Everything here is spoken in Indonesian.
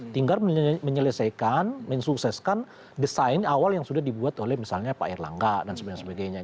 tinggal menyelesaikan mensukseskan desain awal yang sudah dibuat oleh misalnya pak erlangga dan sebagainya